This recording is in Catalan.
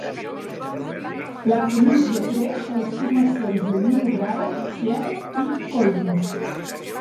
L'artemísia creix a les formacions de Niobrara, Pierre i Coalmount.